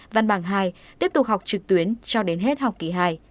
văn bằng hai tiếp tục học trực tuyến cho đến hết học kỳ hai